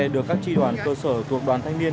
được các tri đoàn cơ sở thuộc đoàn thanh niên